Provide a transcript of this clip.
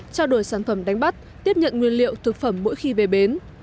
trao đổi sản phẩm đánh bắt tiếp nhận nguyên liệu thực phẩm mỗi khi về bến